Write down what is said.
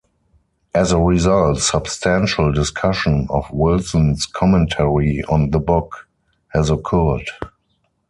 As a result, substantial discussion of Wilson's commentary on the book has occurred.